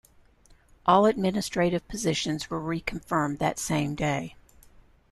All administrative positions were reconfirmed that same day.